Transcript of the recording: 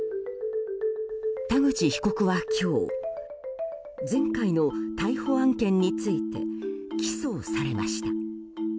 田口被告は、今日前回の逮捕案件について起訴されました。